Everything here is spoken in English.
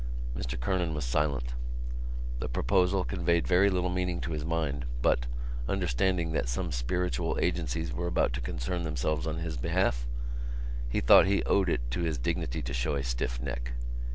Mr Kernan was silent. The proposal conveyed very little meaning to his mind but, understanding that some spiritual agencies were about to concern themselves on his behalf, he thought he owed it to his dignity to show a stiff neck.